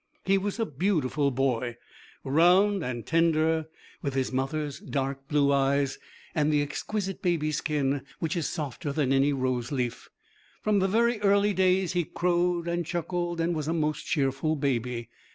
He was a beautiful boy, round and tender, with his mother's dark blue eyes, and the exquisite baby skin which is softer than any rose leaf. From very early days he crowed and chuckled and was a most cheerful baby.